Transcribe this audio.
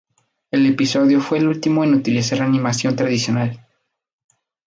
El episodio fue el último en utilizar animación tradicional.